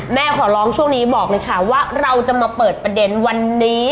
ขอร้องช่วงนี้บอกเลยค่ะว่าเราจะมาเปิดประเด็นวันนี้